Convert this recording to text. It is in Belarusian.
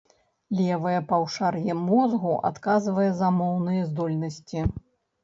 Левае паўшар'е мозгу адказвае за моўныя здольнасці.